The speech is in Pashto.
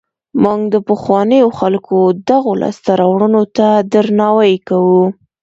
موږ د پخوانیو خلکو دغو لاسته راوړنو ته درناوی کوو.